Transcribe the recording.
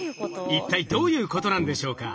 一体どういうことなんでしょうか？